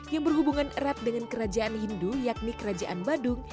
yang berhubungan erat dengan kerajaan hindu yakni kerajaan badung